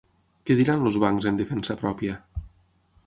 Què diran els bancs en defensa pròpia?